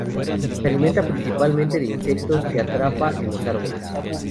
Se alimenta principalmente de insectos que atrapa en los árboles.